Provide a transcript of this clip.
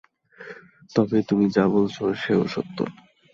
তবে তুমি যা বলছ সেও সত্য।